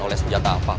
oleh senjata apapun